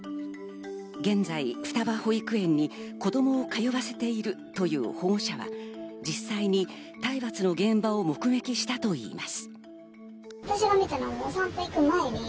現在、双葉保育園に子どもを通わせているという保護者は、実際に体罰の現場を目撃したといいます。